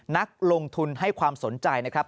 นักลงทุนให้ความสนใจนะครับ